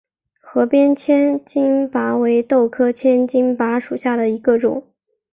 河边千斤拔为豆科千斤拔属下的一个种。